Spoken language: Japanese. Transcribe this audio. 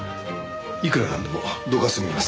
いくらなんでも度が過ぎます。